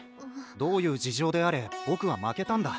どういう事情であれぼくは負けたんだ。